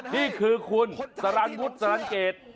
นี่คือคุณสรรวุฒิสรรเกต